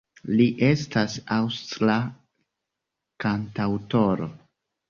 Li estas aŭstra kantaŭtoro.